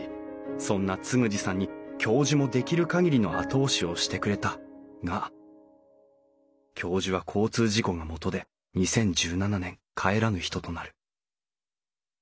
そんな嗣二さんに教授もできる限りの後押しをしてくれたが教授は交通事故がもとで２０１７年帰らぬ人となる。